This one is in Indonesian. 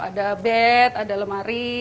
ada bed ada lemari